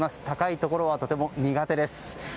高いところはとても苦手です。